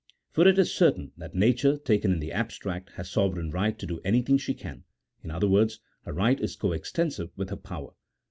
For it is certain that nature, taken in the abstract, has sovereign right to do anything she can ; in other words, her right is co extensive with her power.